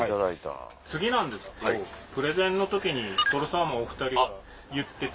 次なんですけどプレゼンの時にとろサーモンお２人が言ってた。